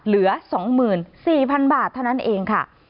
เหลือ๒๔๐๐๐บาทเท่านั้นเองค่ะ